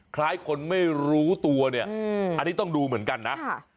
คล้ายคนไม่รู้ตัวเนี่ยอันนี้ต้องดูเหมือนกันนะ